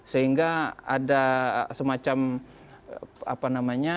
sehingga ada semacam apa namanya